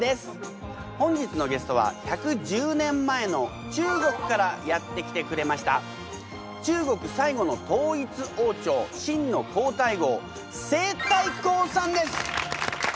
本日のゲストは１１０年前の中国からやって来てくれました中国最後の統一王朝「清」の皇太后西太后さんです！